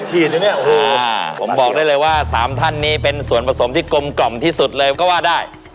ผมบอกได้เลยว่า๓ท่านนี้เป็นส่วนผสมที่กลมกล่อมที่สุดเลยก็ว่าได้